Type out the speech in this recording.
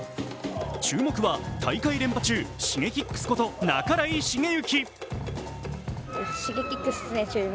注目は大会連覇中、Ｓｈｉｇｅｋｉｘこと半井重幸。